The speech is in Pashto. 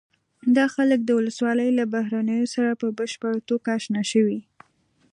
دا خلک د ولسواکۍ له بهیرونو سره په بشپړه توګه اشنا شوي.